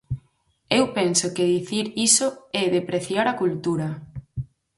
Eu penso que dicir iso é depreciar a cultura.